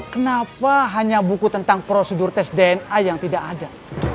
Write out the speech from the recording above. kenapa hanya buku tentang prosedur tes dna yang tidak ada